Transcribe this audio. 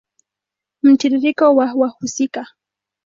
Mtiririko wa wahusika